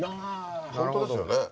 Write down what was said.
本当ですよね。